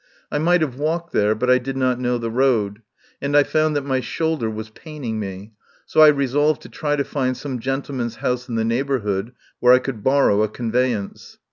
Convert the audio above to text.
I might have walked there, but I did not know the road, and I found that my shoulder was paining me, so I resolved to try to find some gentle man's house in the neighbourhood where I could borrow a conveyance.